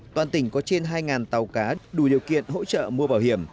toàn tỉnh có trên hai tàu cá đủ điều kiện hỗ trợ mua bảo hiểm